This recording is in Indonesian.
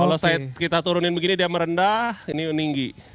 kalau saat kita turunin begini dia merendah ini meninggi